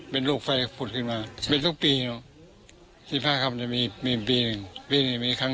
ตอนนั้นเกิดดูตามในแรงแหลงใช่ไหมครับ